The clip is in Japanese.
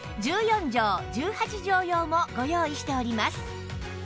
１４畳１８畳用もご用意しております